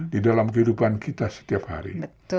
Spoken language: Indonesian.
di dalam kehidupan kita setiap hari